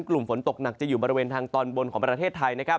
กลุ่มฝนตกหนักจะอยู่บริเวณทางตอนบนของประเทศไทยนะครับ